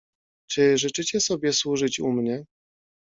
"Czy życzycie sobie służyć u mnie?"